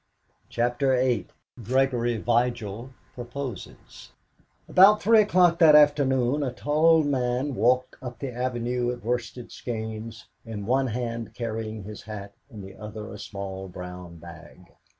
CHAPTER VIII GREGORY VIGIL PROPOSES About three o'clock that afternoon a tall man walked up the avenue at Worsted Skeynes, in one hand carrying his hat, in the other a small brown bag.